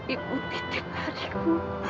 ibu titip adikmu